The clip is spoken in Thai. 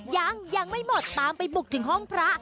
ยังยังไม่หมดตามไปบุกถึงห้องพระ